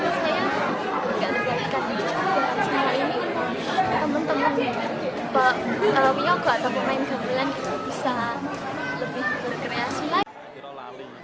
saya ingin menggantikan wicoba saya ini teman teman wiyoga atau pemain gamelan bisa lebih berkreasi